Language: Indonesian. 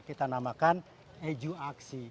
kita namakan eduaksi